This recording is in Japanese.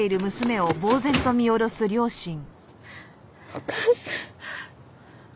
お母さん。